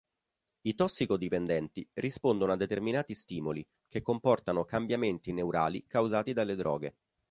I tossicodipendenti rispondono a determinati stimoli che comportano cambiamenti neurali causati dalle droghe.